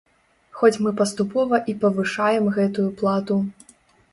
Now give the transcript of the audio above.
Хоць мы паступова і павышаем гэтую плату.